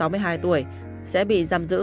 sáu mươi hai tuổi sẽ bị giam giữ